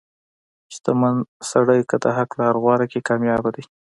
• شتمن سړی که د حق لار غوره کړي، کامیابه دی.